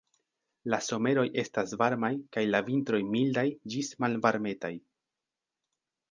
La someroj estas varmaj kaj la vintroj mildaj ĝis malvarmetaj.